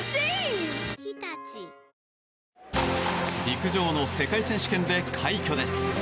陸上の世界選手権で快挙です。